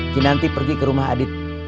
kini nanti pergi ke rumah adit